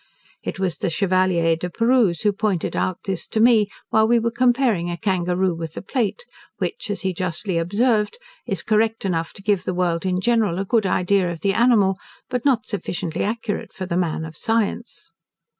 It was the Chevalier De Perrouse who pointed out this to me, while we were comparing a kangaroo with the plate, which, as he justly observed, is correct enough to give the world in general a good idea of the animal, but not sufficiently accurate for the man of science.